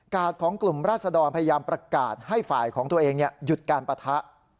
กาดของกลุ่มราษดรพยามประกาศให้ฝ่ายของตัวเองเนี้ยหยุดการประทะ